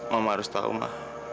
mama harus tau ma